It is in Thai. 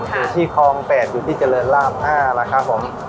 อยู่ที่คลอง๘อยู่ที่เจริญราบ๕นะครับผม